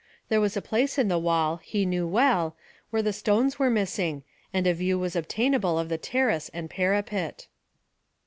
There was a place in the wall he knew well where the stones were missing, and a view was obtainable of the terrace and parapet.